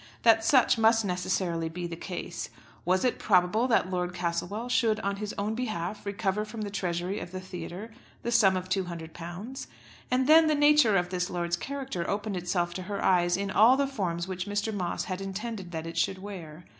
that such must necessarily be the case. Was it probable that Lord Castlewell should on his own behalf recover from the treasury of the theatre the sum of £200? And then the nature of this lord's character opened itself to her eyes in all the forms which Mr. Moss had intended that it should wear.